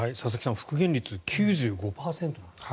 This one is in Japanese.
復元率９５％なんですね。